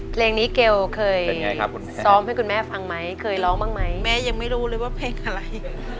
เพลงนี้เกลเคยซ้อมให้คุณแม่ฟังไหมเคยร้องบ้างไหมแม่ยังไม่รู้เลยว่าเพลงอะไร